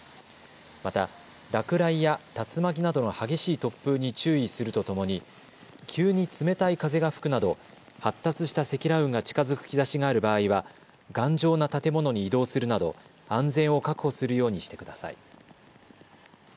また、落雷や竜巻などの激しい突風に注意するとともに急に冷たい風が吹くなど、発達した積乱雲が近づく兆しがある場合は頑丈な建物に移動するなど安全を確保するようにしてください。